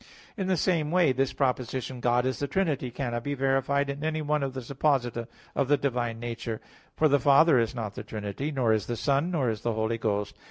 In the same way this proposition, "God is the Trinity," cannot be verified of any one of the supposita of the divine nature. For the Father is not the Trinity; nor is the Son; nor is the Holy Ghost.